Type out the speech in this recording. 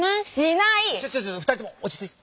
ちょちょちょ二人とも落ち着いて。